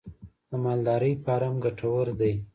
د مالدارۍ فارم ګټور دی؟